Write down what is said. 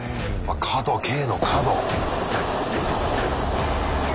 角Ｋの角。